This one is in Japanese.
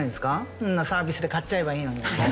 そんなサービスで刈っちゃえばいいのに。